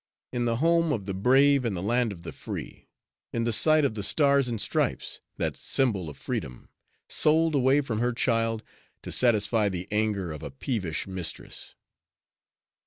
"In the home of the brave and the land of the free," in the sight of the stars and stripes that symbol of freedom sold away from her child, to satisfy the anger of a peevish mistress!